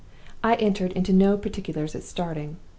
I entered into no particulars at starting.